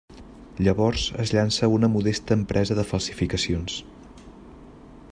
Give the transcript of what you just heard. Llavors es llança a una modesta empresa de falsificacions.